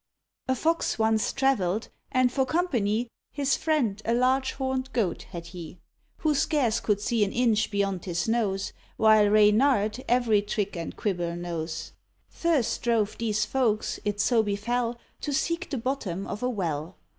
A Fox once travelled, and for company His friend, a large horned Goat, had he, Who scarce could see an inch beyond his nose, While Reynard every trick and quibble knows. Thirst drove these folks, it so befell, To seek the bottom of a well.